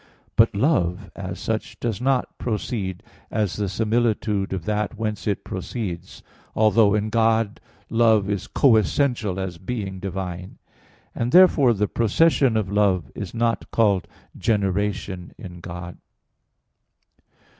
But love, as such, does not proceed as the similitude of that whence it proceeds; although in God love is co essential as being divine; and therefore the procession of love is not called generation in God.